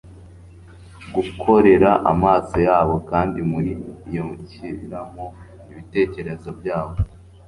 Gukorera amaso yabo kandi muri yo shyiramo ibitekerezo byabo